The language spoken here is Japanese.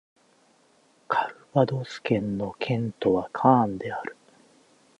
カルヴァドス県の県都はカーンである